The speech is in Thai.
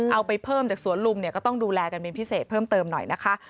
เอาไปเพิ่มจากสวนลุมเนี่ยก็ต้องดูแลกันเป็นพิเศษเพิ่มเติมหน่อยนะคะ